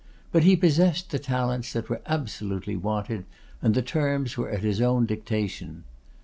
But he possessed the talents that were absolutely wanted, and the terms were at his own dictation.